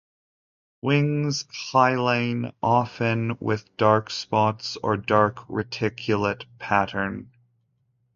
Wings hyaline, often with dark spots or dark reticulate pattern.